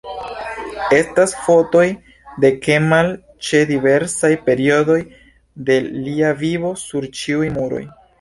Estas fotoj de Kemal ĉe diversaj periodoj de lia vivo sur ĉiuj muroj.